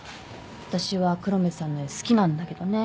私は黒目さんの絵好きなんだけどね